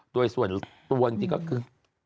โดยส่วนตัวจริงก็คือ